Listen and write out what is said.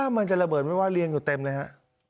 มันจะระเบิดไม่ว่าเรียงอยู่เต็มเลยฮะ